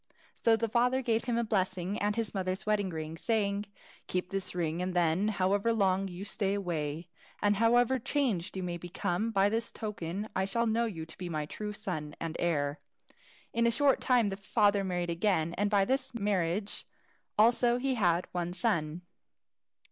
So the father gave him a blessing, and his mother's wedding ring, saying, "Keep this ring, and then, however long you stay away, and however changed you may become, by this token I shall know you to be my true son and heir." In a short time the father married again, and by this marriage also he had one son.